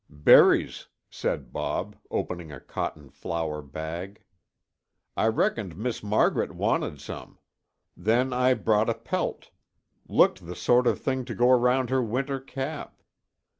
"Berries," said Bob, opening a cotton flour bag. "I reckoned Miss Margaret wanted some. Then I brought a pelt; looked the sort of thing to go round her winter cap."